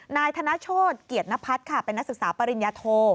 นายธนโชธเกียรตินพัฒน์ค่ะเป็นนักศึกษาปริญญาโท